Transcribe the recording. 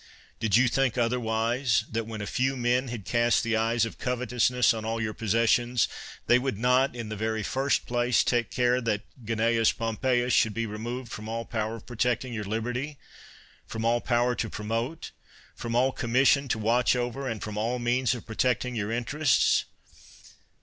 Did you think, otherwise, that when a few men had cast the eyes of covetousness on all your possessions, they would not in the very first place take care that Cnaeus Pompeius should be removed from all power of protecting your liberty, from all power to promote, from all commission to watch over, and from all means of protecting your interests